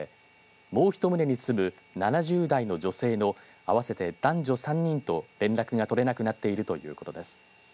もう１棟に住む７０代の女性の合わせで男女３人と連絡が取れなくなっているということです。